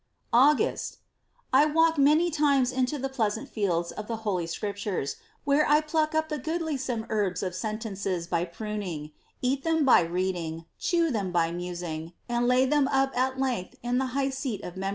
"An^st. — I walk many times into the pleasant fields of the Holy Scripture^, wb«^rtf I pluck up the goodlisome herhes of sentences by )»runing, eat them by r^^KiLJing, fbew them by musing, and lay them up at length in the high seat of ci'.